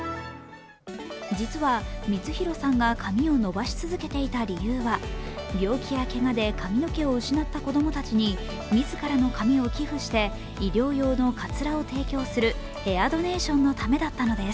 実は光博さんが髪を伸ばし続けていた理由は病気やけがで髪の毛を失った子供たちに自らの髪を寄付して、医療用のかつらを提供するヘアドネーションのためだったのです。